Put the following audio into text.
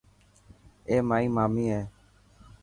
اي مائي مامي هي.